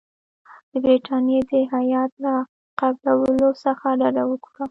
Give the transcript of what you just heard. د برټانیې د هیات له قبولولو څخه ډډه وکړه.